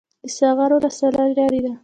د ساغر ولسوالۍ لیرې ده